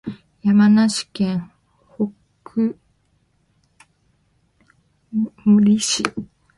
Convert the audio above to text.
山梨県北杜市